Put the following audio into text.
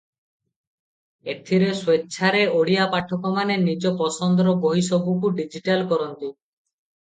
ଏଥିରେ ସ୍ୱେଚ୍ଛାରେ ଓଡ଼ିଆ ପାଠକମାନେ ନିଜ ପସନ୍ଦର ବହିସବୁକୁ ଡିଜିଟାଇଜ କରନ୍ତି ।